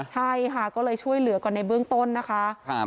ใช่ค่ะก็เลยช่วยเหลือก่อนในเบื้องต้นนะคะ